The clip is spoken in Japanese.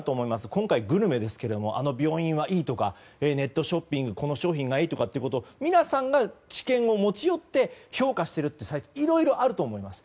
今回グルメですがあの病院はいいとかネットショッピングでこの商品がいいとか皆さんが知見を持ち寄って評価しているサイトはいろいろあると思います。